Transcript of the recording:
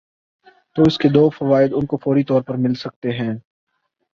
تو اس کے دو فوائد ان کو فوری طور پر مل سکتے ہیں۔